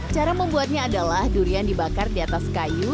cara membuatnya adalah durian dibakar di atas kayu